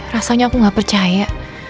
rasanya aku gak percaya